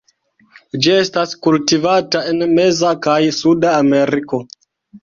Ĝi estas kultivata en meza kaj suda Ameriko.